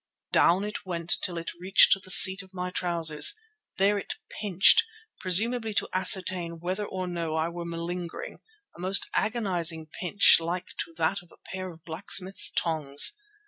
Down it went till it reached the seat of my trousers. There it pinched, presumably to ascertain whether or no I were malingering, a most agonizing pinch like to that of a pair of blacksmith's tongs.